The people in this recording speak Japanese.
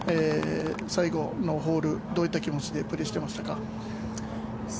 最後のホールどういった気持ちでプレーしていましたか？